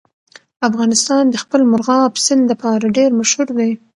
افغانستان د خپل مورغاب سیند لپاره ډېر مشهور دی.